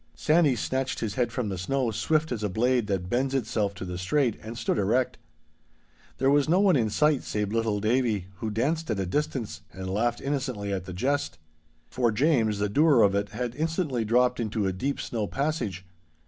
Sandy snatched his head from the snow swift as a blade that bends itself to the straight, and stood erect. There was no one in sight save little Davie, who danced at a distance and laughed innocently at the jest. For James, the doer of it, had instantly dropped into a deep snow passage.